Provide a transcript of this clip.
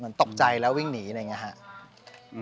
ชื่องนี้ชื่องนี้ชื่องนี้ชื่องนี้ชื่องนี้